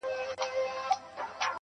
په دې حالاتو کي خو دا کيږي هغه ،نه کيږي